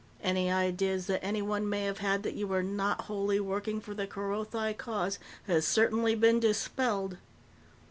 Any ideas that anyone may have had that you were not wholly working for the Kerothi cause has certainly been dispelled."